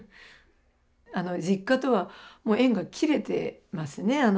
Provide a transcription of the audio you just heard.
あの実家とはもう縁が切れてますね